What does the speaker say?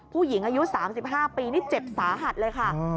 ผู้หญิงอายุ๓๕ปีนี่เจ็บสาหัสเลยค่ะ